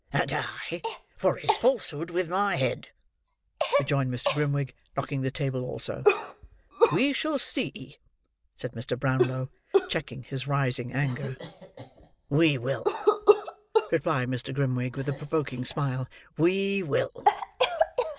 "And I for his falsehood with my head!" rejoined Mr. Grimwig, knocking the table also. "We shall see," said Mr. Brownlow, checking his rising anger. "We will," replied Mr. Grimwig, with a provoking smile; "we will."